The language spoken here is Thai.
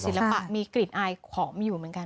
ศิลปะมีกลิ่นอายขอมอยู่เหมือนกัน